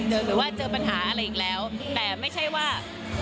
หรือว่าเจอปัญหาอะไรอีกแล้วแต่ไม่ใช่ว่า